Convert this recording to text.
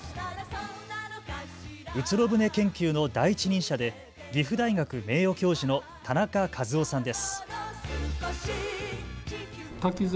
うつろ舟研究の第一人者で岐阜大学名誉教授の田中嘉津夫さんです。